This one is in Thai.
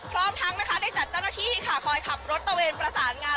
พร้อมทั้งนะคะได้จัดเจ้าหน้าที่ค่ะคอยขับรถตะเวนประสานงาน